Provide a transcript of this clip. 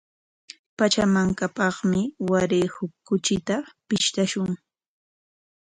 Pachamankapaqmi waray huk kuchita pishqashun.